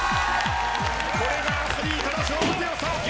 これがアスリートの勝負強さ！